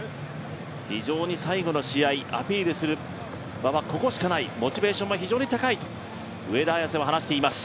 非常に最後の試合アピールする場はここしかないモチベーションは非常に高い上田綺世を出しています。